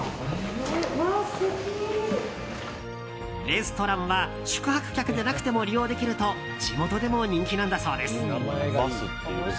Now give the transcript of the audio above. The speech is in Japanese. レストランは宿泊客でなくても利用できると地元でも人気なんだそうです。